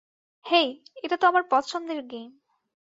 হেই এটা তো আমার পছন্দের গেম!